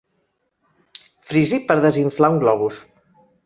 Frisi per desinflar un globus.